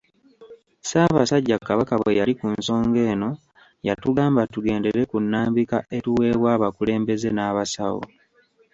Ssaasabasajja Kabaka bwe yali ku nsonga eno, yatugamba tugendere ku nnambika etuweebwa abakulembeze n'abasawo.